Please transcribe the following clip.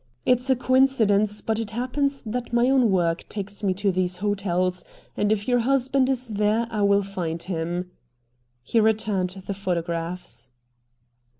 "It's a coincidence, but it happens that my own work takes me to these hotels, and if your husband is there I will find him." He returned the photographs.